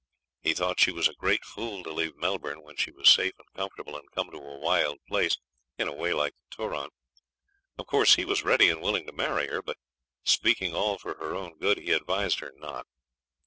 He thought she was a great fool to leave Melbourne when she was safe and comfortable, and come to a wild place, in a way like the Turon. Of course he was ready and willing to marry her; but, speaking all for her own good, he advised her not.